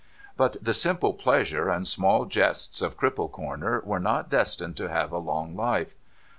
But, the simple pleasures and small jests of Cripple Corner were not destined to have a long hfe.